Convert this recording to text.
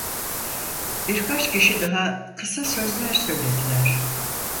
Birkaç kişi daha, kısa sözler söylediler.